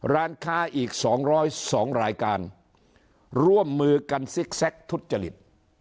ร้านค้าอีก๒๐๒รายการร่วมมือกันซิกแซคทุจริต